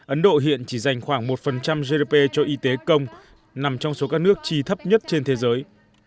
ấn độ hiện chỉ dành khoảng một gdp cho y tế công nằm trong số các nước chi thấp nhất trên thế giới